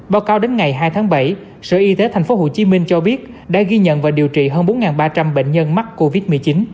báo cáo đến ngày hai tháng bảy sở y tế tp hcm cho biết đã ghi nhận và điều trị hơn bốn ba trăm linh bệnh nhân mắc covid một mươi chín